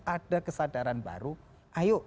ada kesadaran baru ayo